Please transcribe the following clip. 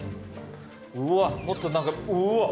うわっもっと何かうわっ！